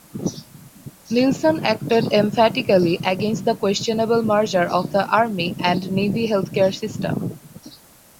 Nilson acted emphatically against the questionable merger of the army and navy healthcare system.